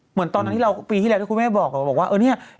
เหมือนตอนนั้นที่เราปีที่แล้วที่คุณแม่บอกบอกว่าเออเนี่ย